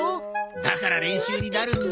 だから練習になるんだ。